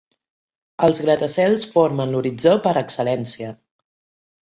Els gratacels formen l'horitzó per excel·lència.